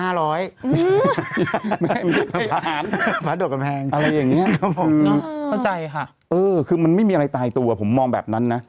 ไม่ใช่ไม่ใช่พระอาณอะไรอย่างนี้ครับผมอื้อคือมันไม่มีอะไรตายตัวผมมองแบบนั้นนะ